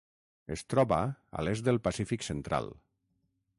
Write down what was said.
Es troba a l'est del Pacífic central: